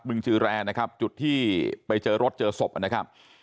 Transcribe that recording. จือแรร์นะครับจุดที่ไปเจอรถเจอศพนะครับ